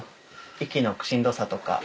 息のしんどさとか。